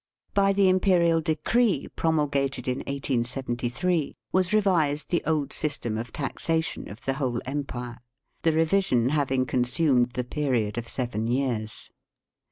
By the imperial decree promulgated in 1873 was revised the old system of taxation of the whole empire, the revision having con sumed the period of seven years.